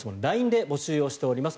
ＬＩＮＥで募集しています。